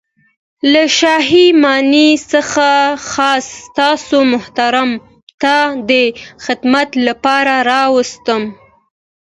له شاهي ماڼۍ څخه خاص تاسو محترم ته د خدمت له پاره را ورسېږم.